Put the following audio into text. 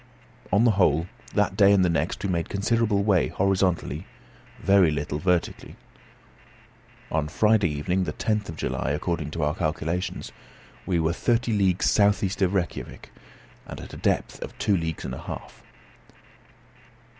On the whole, that day and the next we made considerable way horizontally, very little vertically. On Friday evening, the 10th of July, according to our calculations, we were thirty leagues south east of Rejkiavik, and at a depth of two leagues and a half.